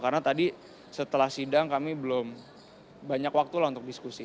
karena tadi setelah sidang kami belum banyak waktu lah untuk diskusi